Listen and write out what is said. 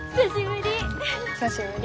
久しぶり！